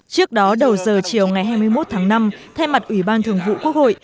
trước đó đầu giờ chiều ngày hai mươi một tháng năm thay mặt ủy ban thường vụ quốc hội